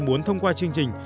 muốn thông qua chương trình